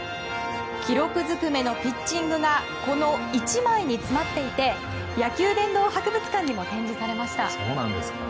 記録ずくめのピッチングがこの１枚に詰まっていて野球殿堂博物館でも展示されました。